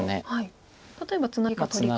例えばツナギか取りか。